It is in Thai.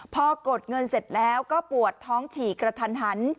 พอกดเงินเสร็จแล้วก็ปวดท้องฉี่กระทันหัน